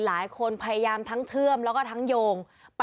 และความสุขของคุณค่ะ